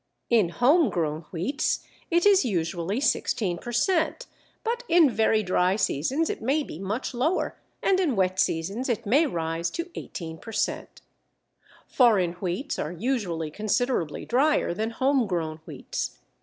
In home grown wheats it is usually 16 per cent., but in very dry seasons it may be much lower, and in wet seasons it may rise to 18 per cent. Foreign wheats are usually considerably drier than home grown wheats.